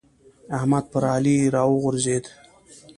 احمد پر علي راغورځېد.